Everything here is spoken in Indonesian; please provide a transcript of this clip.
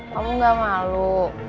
kamu gak malu